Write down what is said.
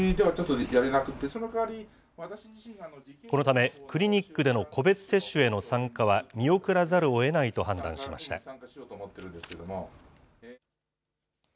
このため、クリニックでの個別接種への参加は見送らざるをえないと判断しました。